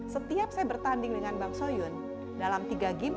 setiap saya bertanding dengan bang soyun dalam tiga game